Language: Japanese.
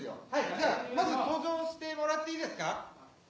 じゃあまず登場してもらっていいですか。